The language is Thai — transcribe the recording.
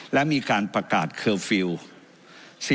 และมีการประกาศเคอร์ฟิลล์